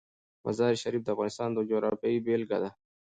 مزارشریف د افغانستان د جغرافیې بېلګه ده.